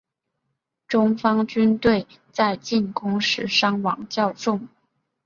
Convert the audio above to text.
中方军队在进攻时伤亡较重。